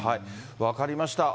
分かりました。